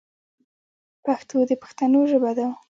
پښتو د پښتنو ژبه دو.